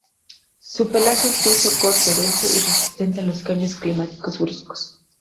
Su pelaje es liso, corto, denso y resistente a los cambios climatológicos bruscos.